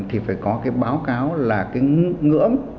thì phải có cái báo cáo là cái ngưỡng